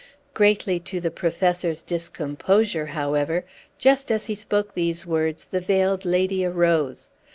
Greatly to the Professor's discomposure, however, just as he spoke these words, the Veiled Lady arose.